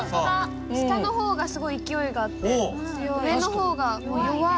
下の方がすごい勢いがあって上の方が弱い。